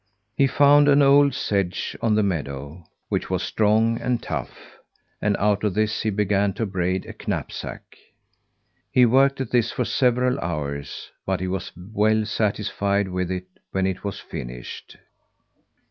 He found an old sedge on the meadow, which was strong and tough; and out of this he began to braid a knapsack. He worked at this for several hours, but he was well satisfied with it when it was finished.